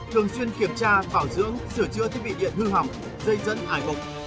thường xuyên kiểm tra bảo dưỡng sửa chữa thiết bị điện hư hỏng dây dẫn hải mục